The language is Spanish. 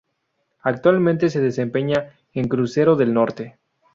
Actualmente se desempeña en Crucero del Norte